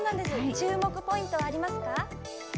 注目ポイントはありますか。